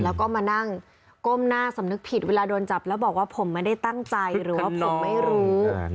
แล้วก็มานั่งก้มหน้าสำนึกผิดเวลาโดนจับแล้วบอกว่าผมไม่ได้ตั้งใจหรือว่าผมไม่รู้